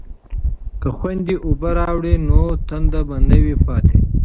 که خویندې اوبه راوړي نو تنده به نه وي پاتې.